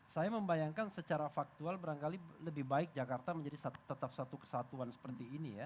saya membayangkan secara faktual berangkali lebih baik jakarta menjadi tetap satu kesatuan seperti ini ya